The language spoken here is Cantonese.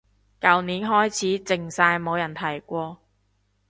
舊年開始靜晒冇人提過